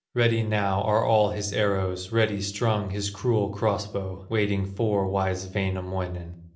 Ready now are all his arrows, Ready strung, his cruel cross bow, Waiting for wise Wainamoinen.